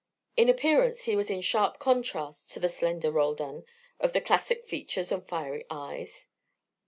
In appearance he was in sharp contrast to the slender Roldan, of the classic features and fiery eyes.